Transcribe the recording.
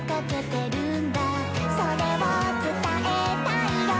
「それを伝えたいよ」